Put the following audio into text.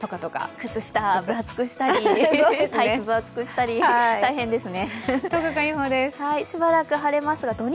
靴下、分厚くしたり、タイツ、分厚くしたり大変ですね。